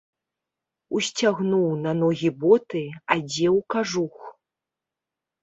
Усцягнуў на ногі боты, адзеў кажух.